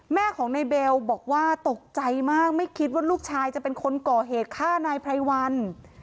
แม่ของนายเบลบอกว่าตกใจมากไม่คิดว่าลูกชายจะเป็นคนก่อเหตุฆ่านายไพรวัน